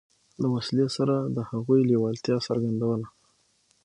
له وسلې سره د هغوی لېوالتیا څرګندوله.